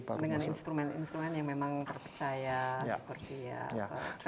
dengan instrument instrument yang memang terpercaya seperti ya